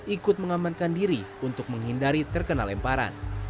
ikut mengamankan diri untuk menghindari terkena lemparan